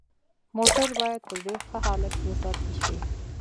موټر باید په ډیر ښه حالت کې وساتل شي